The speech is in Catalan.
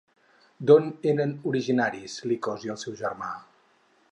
D'on eren originaris Licos i el seu germà?